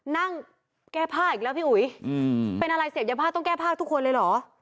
นั่งแก้ผ้าอีกแล้วพี่อุ๋ยเป็นอะไรเสพยาบ้าต้องแก้ผ้าทุกคนเลยเหรอ